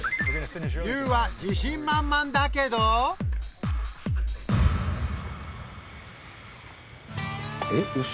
ＹＯＵは自信満々だけどえっウソ。